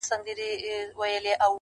بې منزله مساپره خیر دي نسته په بېړۍ کي-